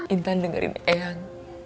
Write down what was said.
intan dengerin ayang